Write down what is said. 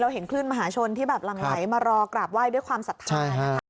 เราเห็นคลื่นมหาชนที่แบบลำไหลมารอกราบไหว้ด้วยความสะท้าย